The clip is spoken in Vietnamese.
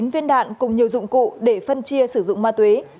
chín viên đạn cùng nhiều dụng cụ để phân chia sử dụng ma túy